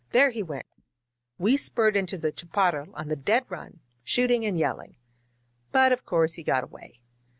There he went ! We spurred into the chaparral on the dead run, shooting and yell ing. But of course he got away.